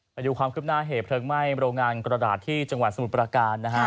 ไปดูความคืบหน้าเหตุเพลิงไหม้โรงงานกระดาษที่จังหวัดสมุทรประการนะฮะ